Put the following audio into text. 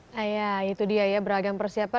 nah ya itu dia ya beragam persiapan